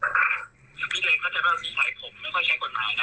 แล้วพี่เรงเข้าใจว่าพี่ถ่ายผมไม่ค่อยใช้กฎหมายนะ